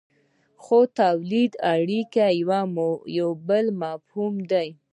خو تولیدي اړیکې یو بل مفهوم دی.